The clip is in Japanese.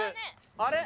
あれ？